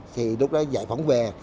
thì lúc đó giải phóng về